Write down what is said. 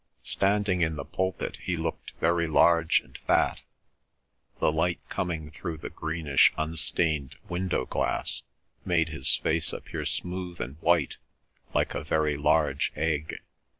Standing in the pulpit he looked very large and fat; the light coming through the greenish unstained window glass made his face appear smooth and white like a very large egg.